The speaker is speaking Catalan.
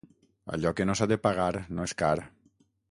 Allò que no s'ha de pagar, no és car.